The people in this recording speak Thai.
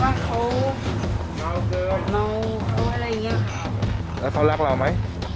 ว่าเขาเมาเกินเมาเขาอะไรอย่างเงี้ยแล้วเขารักเราไหม